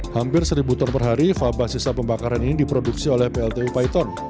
hampir seribu ton per hari fabah sisa pembakaran ini diproduksi oleh pltu paiton